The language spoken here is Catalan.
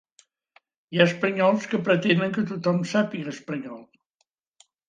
Hi ha espanyols que pretenen que tothom sàpiga espanyol.